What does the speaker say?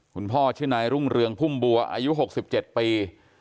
คุณพ่อชื่อนายรุ่งเรืองพุ่มบัวอายุหกสิบเจ็ดปี